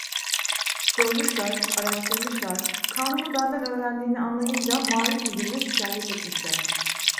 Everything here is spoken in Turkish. Sormuşlar, araştırmışlar, kanunu benden öğrendiğini anlayınca maarif müdürüne şikayet etmişler.